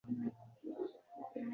Och-yupun el hali hanuz bunda bisyor